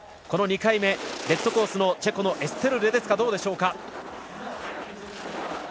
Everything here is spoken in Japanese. この２回目、レッドコースのチェコのエステル・レデツカはどうでしょうか。